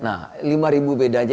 nah lima ribu bedanya